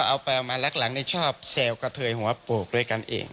เอาเลยค่ะ